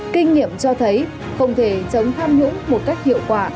kinh nghiệm cho thấy không thể chống tham nhũng một cách hiệu quả